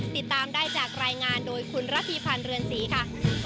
ติดตามได้จากรายงานโดยคุณระพีพันธ์เรือนศรีค่ะ